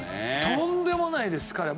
とんでもないです彼は。